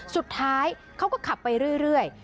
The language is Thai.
สุดท้ายเขาก็ขับไปเรื่อย